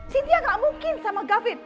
sintia gak mungkin sama gavin